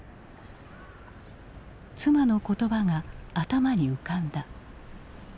妻の言葉が頭に浮かんだ。